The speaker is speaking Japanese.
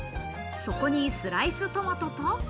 そこにスライストマトと。